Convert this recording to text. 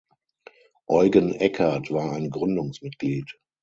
Eugen Eckert war ein Gründungsmitglied.